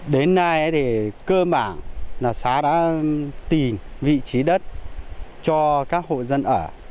đến nay thì cơ bản là xã đã tìm vị trí đất cho các hộ dân ở